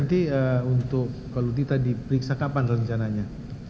nanti untuk kalau tita diperiksa kapan rencananya